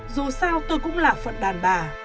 dù sao tôi cũng là phận đàn bà